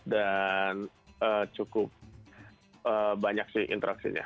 dan cukup banyak sih interaksinya